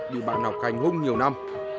đi bàn học hành hôn nhiều năm